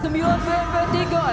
sembilan bmp tiga m